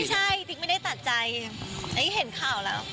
ใช่ติ๊กไม่ได้ตัดใจอันนี้เห็นข่าวแล้ว